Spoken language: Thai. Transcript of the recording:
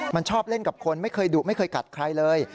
มันชอบเล่นกับคนไม่เคยดุไม่เคยกัดใครเลย